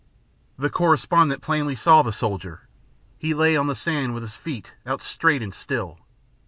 The correspondent plainly saw the soldier. He lay on the sand with his feet out straight and still.